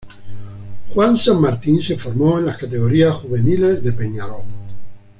Juan San Martín se formó en las categorías juveniles de Peñarol.